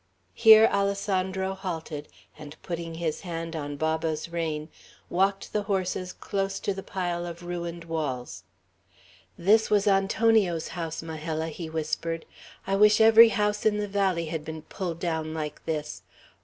Here Alessandro halted, and putting his hand on Baba's rein, walked the horses close to the pile of ruined walls. "This was Antonio's house, Majella," he whispered. "I wish every house in the valley had been pulled down like this.